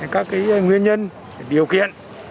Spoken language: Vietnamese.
các nguyên nhân điều kiện